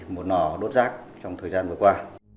một nỏ đốt rác trong thời gian vừa qua